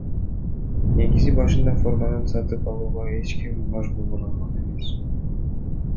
Негизи башында форманы сатып алууга эч ким мажбурлаган эмес.